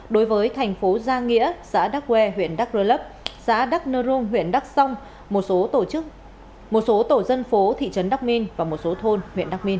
đối với thành phố gia nghĩa xã đắk quê huyện đắk rơ lấp xã đắk nơ rung huyện đắk sông một số tổ dân phố thị trấn đắk minh và một số thôn huyện đắk minh